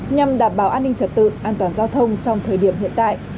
nhằm đảm bảo an ninh trật tự an toàn giao thông trong thời điểm hiện tại